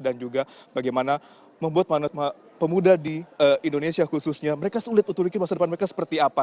dan juga bagaimana membuat para pemuda di indonesia khususnya mereka lihat untuk dikirakan masa depan mereka seperti apa